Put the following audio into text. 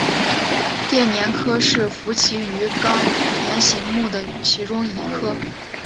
电鲇科是辐鳍鱼纲鲇形目的其中一科。